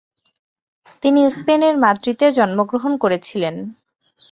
তিনি স্পেনের মাদ্রিদে জন্মগ্রহণ করেছিলেন।